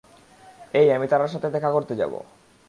এই, আমি তারার সাথে দেখা করতে যাবো।